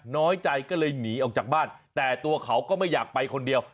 น้อยใจก็เลยหนีออกจากบ้านแต่ตัวเขาก็ไม่อยากไปคนเดียว